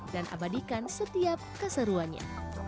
dan abadikan setiap keseruannya